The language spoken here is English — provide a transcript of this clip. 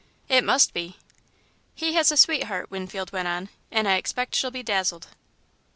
"It must be." "He has a sweetheart," Winfield went on, "and I expect she'll be dazzled."